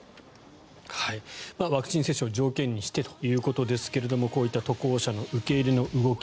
ワクチン接種を条件にしてということですがこういった渡航者の受け入れの動き